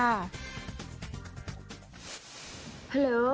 ฮัลโหล